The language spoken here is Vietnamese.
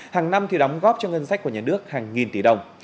hàng năm thì đóng góp cho ngân sách của nhà nước hàng nghìn tỷ đồng